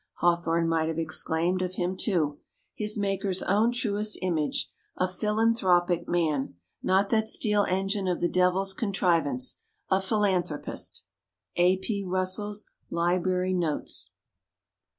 Hawthorne might have exclaimed of him, too, "his Maker's own truest image, a philanthropic man! not that steel engine of the devil's contrivance a philanthropist!" _A. P. Russell's Library Notes.